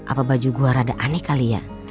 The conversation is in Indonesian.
apa baju gua rada aneh kali ya